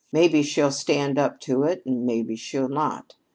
Maybe she'll stand up to it and maybe she'll not.